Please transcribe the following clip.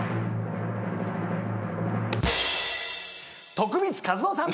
徳光和夫さん